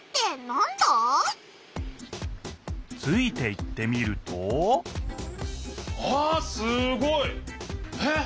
ついていってみるとあすごい！えっ！？